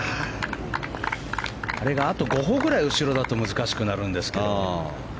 あと５歩ぐらい後ろだと難しくなるんですけど。